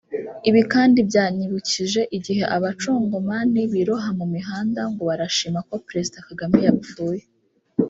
Ibi kandi byanyibukije igihe abacongomani biroha mumihanda ngo barishima ko Perezida Kagame yapfuye